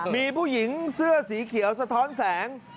มีผู้หญิงเสื้อสีเขียวสะท้อนแสง